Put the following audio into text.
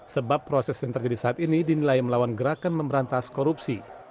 sebab proses yang terjadi saat ini dinilai melawan gerakan memberantas korupsi